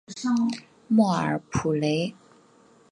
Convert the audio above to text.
莫尔普雷。